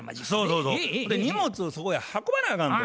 荷物をそこへ運ばなあかんと。